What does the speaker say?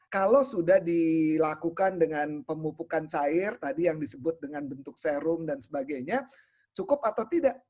kalau sudah dilakukan dengan pemupukan cair tadi yang disebut dengan bentuk serum dan sebagainya cukup atau tidak